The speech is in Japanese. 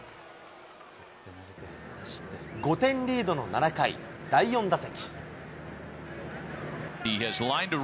５点リードの７回、第４打席。